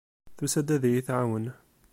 Tusa-d ad iyi-tɛawen.